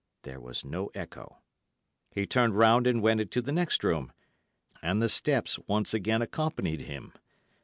There was no echo. He turned round and went into the next room, and the steps once again accompanied him.